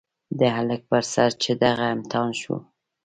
د هلک په سر چې دغه امتحان شو.